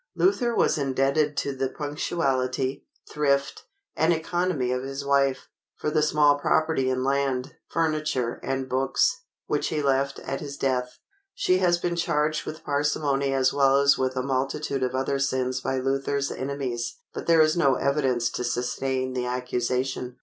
Luther was indebted to the punctuality, thrift, and economy of his wife, for the small property in land, furniture, and books, which he left at his death. She has been charged with parsimony as well as with a multitude of other sins by Luther's enemies, but there is no evidence to sustain the accusation.